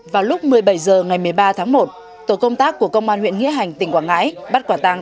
vào lúc một mươi bảy h ngày một mươi ba tháng một tổ công tác của công an huyện nghĩa hành tỉnh quảng ngãi bắt quả tàng